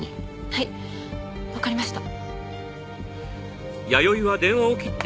はいわかりました。